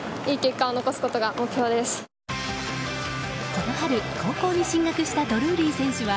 この春、高校に進学したドルーリー選手は